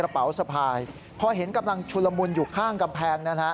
พอเห็นกำลังชุระมุนอยู่ข้างกำแพงนั้นครับ